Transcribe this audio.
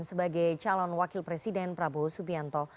sebagai calon wakil presiden prabowo subianto